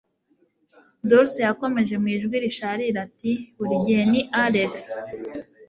Dulce yakomeje mu ijwi risharira ati: "Buri gihe ni Alex."